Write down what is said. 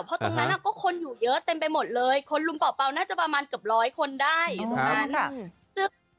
เพราะตรงนั้นก็คนอยู่เยอะเต็มไปหมดเลยคนลุงเป่าน่าจะประมาณเกือบร้อยคนได้อยู่ตรงนั้น